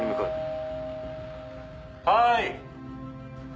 はい！